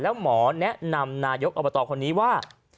แล้วหมอแนะนำนายกอบตคนนี้ว่า